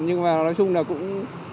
nhưng mà nói chung là cũng